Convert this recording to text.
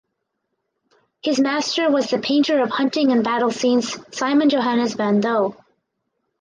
His master was the painter of hunting and battle scenes Simon Johannes van Douw.